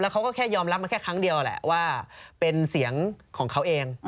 เขาก็แค่ยอมรับมาแค่ครั้งเดียวแหละว่าเป็นเสียงของเขาเอง